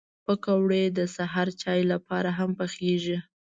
پکورې د سهر چای لپاره هم پخېږي